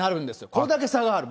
これだけ差がある。